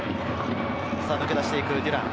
抜け出していくデュラン。